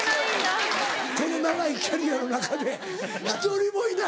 この長いキャリアの中で１人もいない。